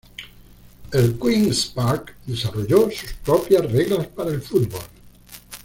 El Queen's Park desarrolló sus propias reglas para el fútbol.